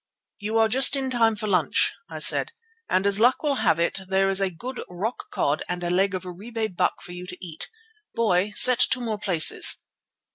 "You are just in time for lunch," I said, "and as luck will have it there is a good rock cod and a leg of oribé buck for you to eat. Boy, set two more places."